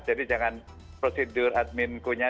jadi jangan prosedur admin ku nya